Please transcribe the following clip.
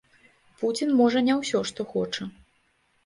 Пуцін можа не ўсё, што хоча.